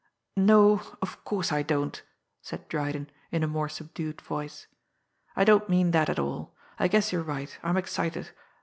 "No of course, I don't!" said Dryden, in a more subdued voice. "I don't mean that at all. I guess you're right I'm excited.